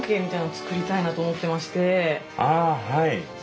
ああはい。